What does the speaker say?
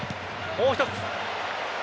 もう一つ。